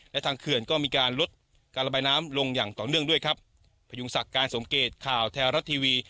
และทางเขื่อนก็มีการลดการระบายน้ำลงอย่างต่อเนื่องด้วยครับพยุงศักดิ์การสมเกตข่าวแท้รัฐทีวี